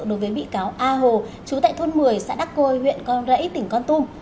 đối với bị cáo a hồ chú tại thôn một mươi xã đắc côi huyện con rẫy tỉnh con tum